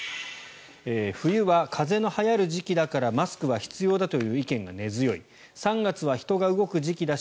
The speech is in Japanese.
冬は風邪のはやる時期だからマスクは必要だという意見が根強い３月は人が動く時期だし